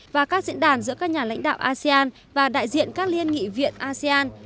và các diễn đàn giữa các nhà lãnh đạo asean và đại diện các liên nghị viện asean